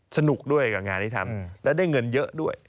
สนุกด้วยกับงานที่ทำและได้เงินเยอะด้วย